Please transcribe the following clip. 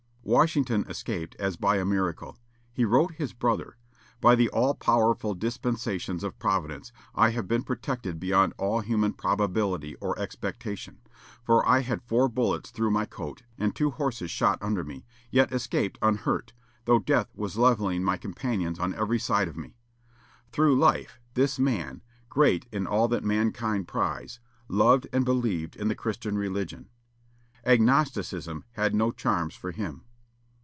Washington escaped as by a miracle. He wrote his brother, "By the all powerful dispensations of Providence, I have been protected beyond all human probability or expectation; for I had four bullets through my coat, and two horses shot under me, yet escaped unhurt, though death was levelling my companions on every side of me." Through life, this man, great in all that mankind prize, loved and believed in the Christian religion. Agnosticism had no charms for him.